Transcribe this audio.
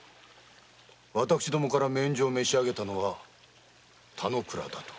私どもから免状を召し上げたのは田之倉だと。